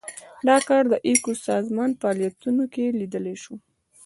دا کار د ایکو سازمان په فعالیتونو کې لیدلای شو.